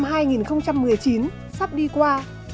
sắp đi qua